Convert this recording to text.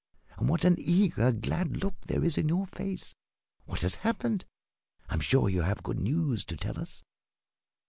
And what an eager, glad look there is in your face! What has happened? I am sure you have good news to tell us."